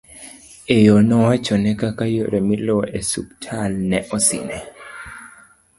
e yo nowachone kaka yore miluwo e ospital ne osine